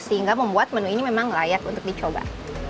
sehingga membuat menu ini memang layak untuk dicoba